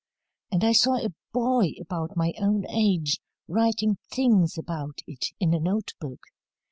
And I saw a boy about my own age writing things about it in a note book.